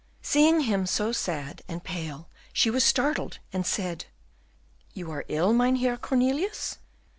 Seeing him so sad and pale, she was startled, and said, "You are ill, Mynheer Cornelius?"